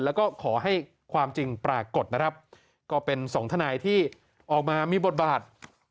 แล้วก็ขอให้ความจริงปรากฏนะครับก็เป็นสองทนายที่ออกมามีบทบาท